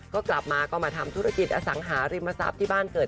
ก็กลับมาก็มาทำธุรกิจอสังหาริมทรัพย์ที่บ้านเกิด